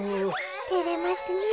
てれますねえ。